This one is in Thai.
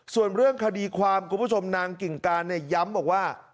ส่วนเรื่องคดีความคุณผู้ชมนางกิ่งการเนี่ยย้ำบอกว่า